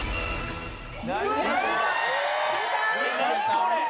これ。